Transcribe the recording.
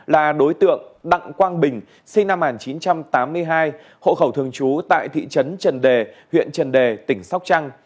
là đối tượng đặng quang bình sinh năm một nghìn chín trăm tám mươi hai hộ khẩu thường trú tại thị trấn trần đề huyện trần đề tỉnh sóc trăng